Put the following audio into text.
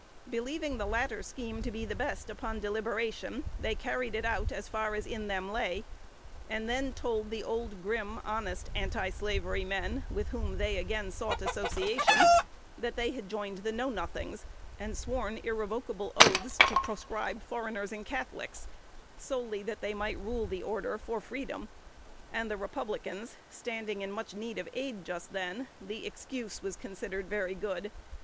Believing the latter scheme to be the best, upon deliberation, they carried it out as far as in them lay, and then told the old, grim, honest, antislavery men, with whom they again sought association, that they had joined the Know Nothings, and sworn irrevocable oaths to proscribe foreigners and Catholics, solely that they might rule the order "for freedom;" and, the Republicans standing in much need of aid just then, the excuse was considered very good.